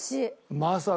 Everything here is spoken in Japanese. まさか。